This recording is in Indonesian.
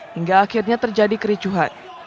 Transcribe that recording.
hingga akhirnya terjadi kericuhan